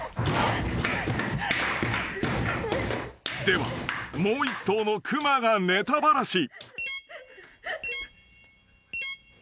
・［ではもう１頭の熊がネタバラシ］